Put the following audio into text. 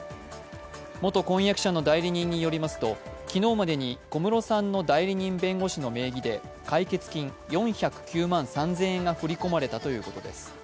元婚約者の代理人によりますと、昨日までに小室さんの代理人弁護士の名義で解決金４０９万３０００円が振り込まれたということです。